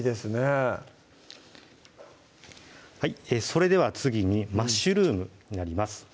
それでは次にマッシュルームになります